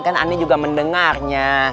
kan aneh juga mendengarnya